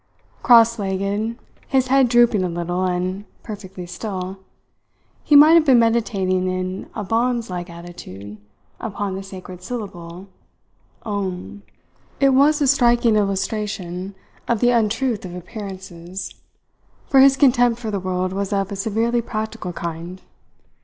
Cross legged, his head drooping a little and perfectly still, he might have been meditating in a bonze like attitude upon the sacred syllable "Om." It was a striking illustration of the untruth of appearances, for his contempt for the world was of a severely practical kind.